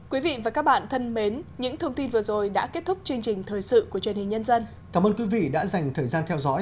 quý vị và các bạn thân mến những thông tin vừa rồi đã kết thúc chương trình thời sự của truyền hình nhân dân